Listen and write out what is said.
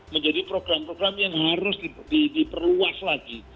menjadi program program yang harus diperluas lagi